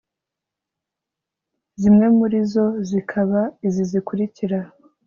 zimwe muri zo zikaba izi zikurikira